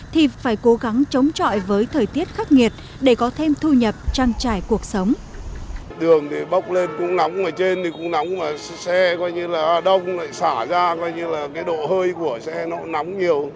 thì phải cố gắng chống trọi với thời tiết khắc nghiệt để có thêm thu nhập trang trải cuộc sống